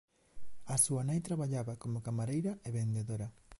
A súa nai traballaba como camareira e vendedora.